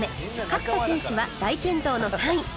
勝田選手は大健闘の３位